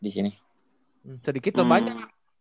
di sini sedikit lebih banyak